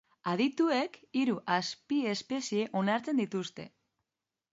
Adituek hiru azpiespezie onartzen dituzte.